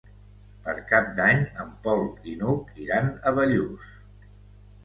Per Cap d'Any en Pol i n'Hug iran a Bellús.